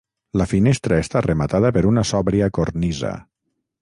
La finestra està rematada per una sòbria cornisa.